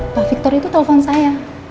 pak victor itu telepon saya